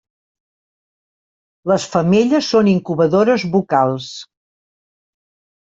Les femelles són incubadores bucals.